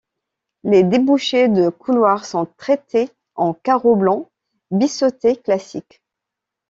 Les débouchés de couloirs sont traités en carreaux blancs biseautés classiques.